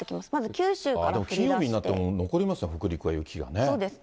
金曜日になっても残りますね、北陸は、雪がね。